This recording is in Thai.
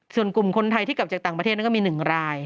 ส่วนกลุ่มคนไทยที่กลับจากต่างประเทศนั้นก็มี๑ราย